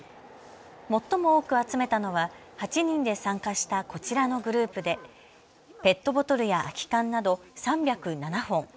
最も多く集めたのは８人で参加したこちらのグループでペットボトルや空き缶など３０７本。